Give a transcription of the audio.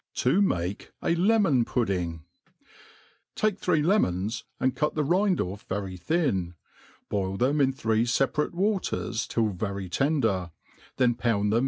To make a Lemetf Pudding. TAKE three lemons, and cut the rind off very thin, boil |hem in three feparate waters till very tender, 0en pound them.